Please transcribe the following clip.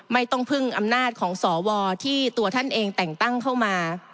ไม่ต้องพึ่งอำนาจของสวที่ตัวท่านเองแต่งตั้งเข้ามา